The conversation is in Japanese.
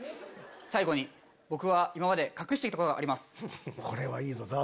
最後に僕は今まで隠していたことがあります。これはいいぞ！